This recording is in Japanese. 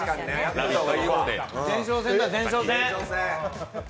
前哨戦だ前哨戦！